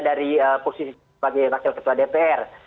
dari posisi sebagai wakil ketua dpr